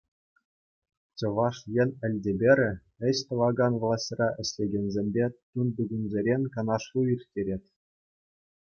Чӑваш Ен Элтеперӗ ӗҫ тӑвакан влаҫра ӗҫлекенсемпе тунтикунсерен канашлу ирттерет.